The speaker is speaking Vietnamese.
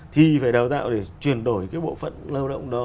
thì phải đào tạo để chuyển đổi cái bộ phận lao động đó